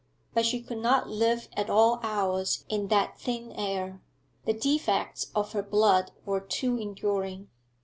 But she could not live at all hours in that thin air; the defects of her blood were too enduring.